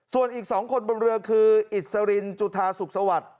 ส่วนอีก๒คนบนเรือคืออิสรินจุธาสุขสวัสดิ์